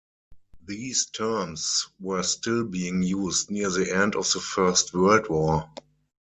These terms were still being used near the end of the First World War.